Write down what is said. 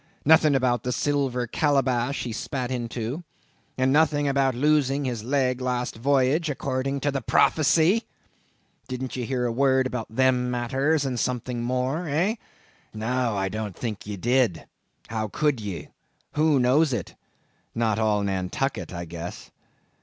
Nothing about the silver calabash he spat into? And nothing about his losing his leg last voyage, according to the prophecy. Didn't ye hear a word about them matters and something more, eh? No, I don't think ye did; how could ye? Who knows it? Not all Nantucket, I guess.